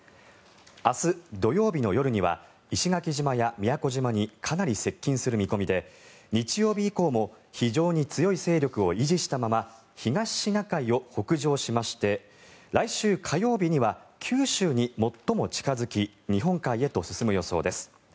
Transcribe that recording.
明日、土曜日の夜には石垣島や宮古島にかなり接近する見込みで日曜日以降も非常に強い勢力を維持したまま東シナ海を北上しまして来週火曜日には九州に最も近付き日本海へと進む予想です。